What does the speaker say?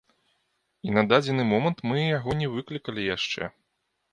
І на дадзены момант мы яго не выклікалі яшчэ.